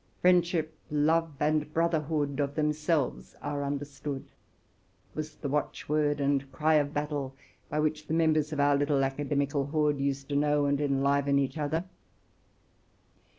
'Friendship, love, and brotherhood, Are they not self understood?"' was the watchword and cry of battle, by which the members of our little academical horde used to know and enliven each other.